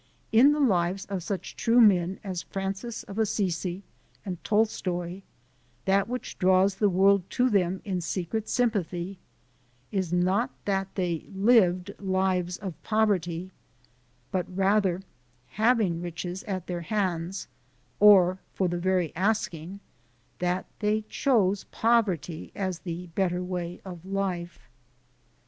In the lives of such true men as Francis of Assisi and Tolstoi, that which draws the world to them in secret sympathy is not that they lived lives of poverty, but rather, having riches at their hands, or for the very asking, that they chose poverty as the better way of life.